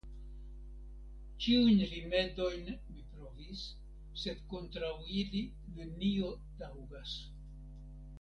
Ĉiujn rimedojn mi provis, sed kontraŭ ili, nenio taŭgas.